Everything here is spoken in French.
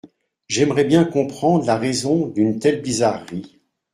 J’aimerais bien comprendre la raison d’une telle bizarrerie.